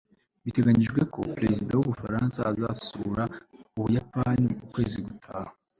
biteganijwe ko perezida w'ubufaransa azasura ubuyapani ukwezi gutaha